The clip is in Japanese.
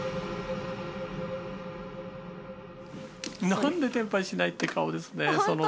何で聴牌しないって顔ですね園田。